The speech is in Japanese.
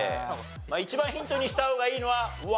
一番ヒントにした方がいいのは「ｗｏｗ」。